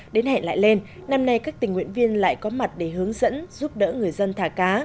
đến hẹn lại lên năm nay các tình nguyện viên lại có mặt để hướng dẫn giúp đỡ người dân thả cá